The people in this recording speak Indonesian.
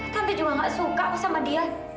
tante juga gak suka sama dia